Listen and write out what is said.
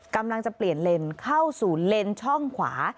กำลังจะเปลี่ยนเลนเข้าสู่เลนช่องขวา